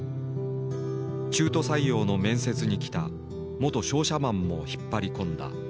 中途採用の面接に来た元商社マンも引っ張り込んだ。